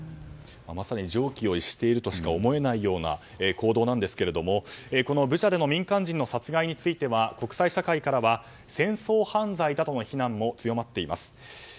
まさに常軌を逸しているとしか思えないような行動なんですけどこのブチャの民間人の殺害は国際社会からは戦争犯罪だとの非難も強まっています。